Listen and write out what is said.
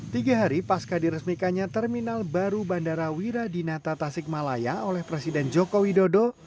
tiga hari pasca diresmikannya terminal baru bandara wiradinata tasikmalaya oleh presiden joko widodo